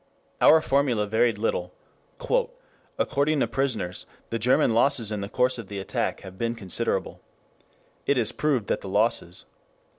Our formulae varied little: 'according to prisoners the German losses in the course of the attack have been considerable' ... 'it is proved that the losses'